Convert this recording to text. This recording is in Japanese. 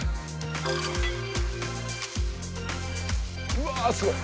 うわすごい。